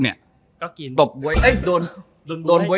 เดี๋ยว